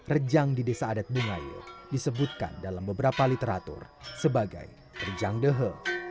rejang di desa adat bungayu disebutkan dalam beberapa literatur sebagai rejang dehe